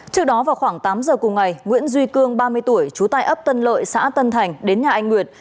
trước đó vào khoảng tám giờ cùng ngày nguyễn duy cương ba mươi tuổi trú tại ấp tân lợi xã tân thành đến nhà anh nguyệt